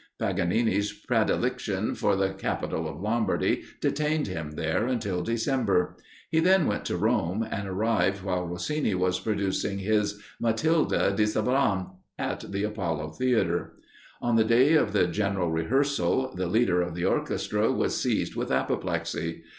Paganini's predilection for the capital of Lombardy detained him there until December. He then went to Rome, and arrived while Rossini was producing his "Matilda di Sabran," at the Apollo Theatre. On the day of the general rehearsal, the leader of the orchestra was seized with apoplexy.